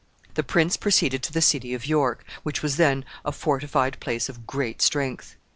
The prince proceeded to the city of York, which was then a fortified place of great strength.